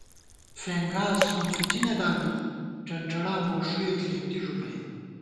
فېنگاس، سون فِچِنہ دامِک، ڄنڄَڑا موݭُوئےݪېنتی ݫُپَئ